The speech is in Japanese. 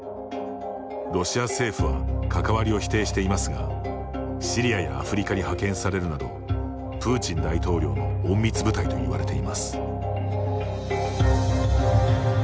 ロシア政府は関わりを否定していますがシリアやアフリカに派遣されるなどプーチン大統領の隠密部隊といわれています。